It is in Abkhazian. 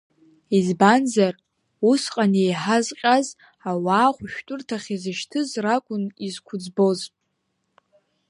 Избанзар, усҟан еиҳа зҟьаз, ауаа ахәшәтәырҭахь изышьҭыз ракәын изқәыӡбоз.